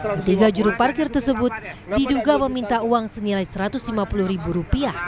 ketiga juru parkir tersebut diduga meminta uang senilai rp satu ratus lima puluh